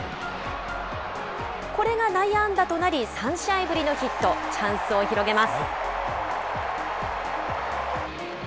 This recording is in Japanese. これが内野安打となり、３試合ぶりのヒット、チャンスを広げます。